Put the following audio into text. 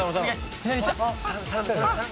左いった！